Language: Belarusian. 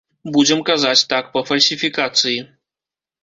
Будзем казаць так, па фальсіфікацыі.